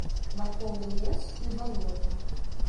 Вакол лес і балота.